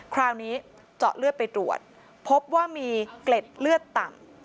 คราวนี้เจาะเลือดไปตรวจพบว่ามีเกล็ดเลือดต่ำ